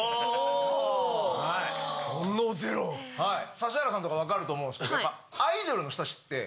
指原さんとか分かると思うんですけど。